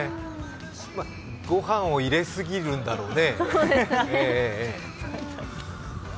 御飯を入れ過ぎるんだろうね。